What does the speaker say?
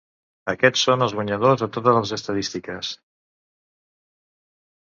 Aquests són els guanyadors a totes les estadístiques.